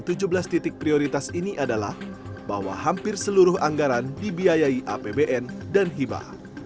dan tujuh belas titik prioritas ini adalah bahwa hampir seluruh anggaran dibiayai apbn dan hipaa